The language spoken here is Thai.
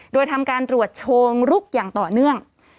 โดยทำการตรวจเชิงลุกอย่างต่อเนื่อง